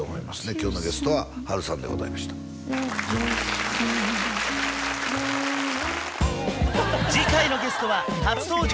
今日のゲストは波瑠さんでございました次回のゲストは初登場